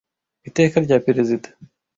iteka rya perezida